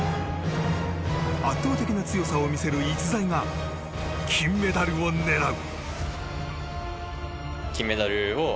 圧倒的な強さを見せる逸材が金メダルを狙う！